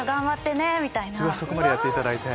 そこまでやっていただいて。